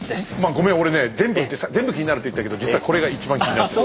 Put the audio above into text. ごめん俺ね全部気になるって言ったけど実はこれが一番気になってる。